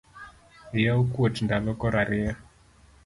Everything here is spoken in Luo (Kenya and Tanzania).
Iya okuot ndalo koro ariyo